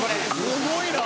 「すごいな！」